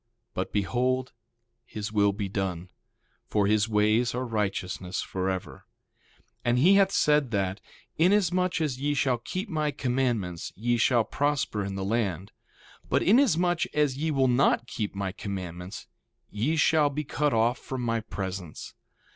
But behold, his will be done; for his ways are righteousness forever. 1:20 And he hath said that: Inasmuch as ye shall keep my commandments ye shall prosper in the land; but inasmuch as ye will not keep my commandments ye shall be cut off from my presence.